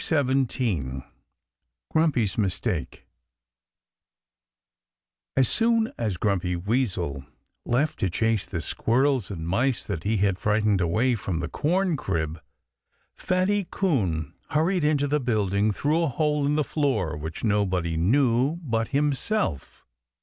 XVII GRUMPY'S MISTAKE As soon as Grumpy Weasel left to chase the squirrels and mice that he had frightened away from the corncrib Fatty Coon hurried into the building through a hole in the floor which nobody knew but himself.